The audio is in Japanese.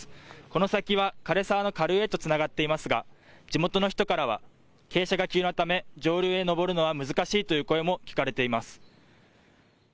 この先はかれ沢の下流へとつながっていますが地元の人からは傾斜が急なため上流へ登るのは難しいという声も聞かれています。